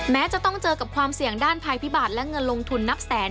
แม้จะต้องเจอกับความเสี่ยงด้านภัยพิบัตรและเงินลงทุนนับแสน